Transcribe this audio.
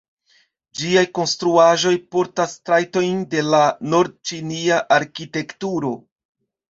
Ĝiaj konstruaĵoj portas trajtojn de la nord-ĉinia arkitekturo.